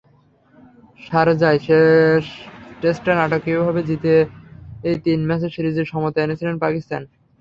শারজায় শেষ টেস্টটা নাটকীয়ভাবে জিতেই তিন ম্যাচের সিরিজে সমতা এনেছিল পাকিস্তান।